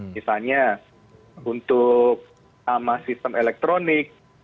misalnya untuk sama sistem elektronik